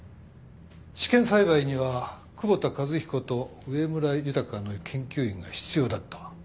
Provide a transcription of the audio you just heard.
試験栽培には窪田一彦と上村浩の研究員が必要だった。